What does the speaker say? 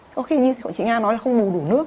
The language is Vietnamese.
có khi như chị nga nói là không bù đủ nước